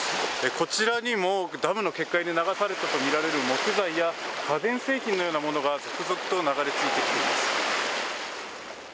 こちらにもダムの決壊で流されたと見られる木材や家電製品のようなものが続々と流れ着いてきています。